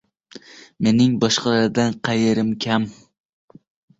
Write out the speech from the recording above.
Mening boshqalardan qayerim kam?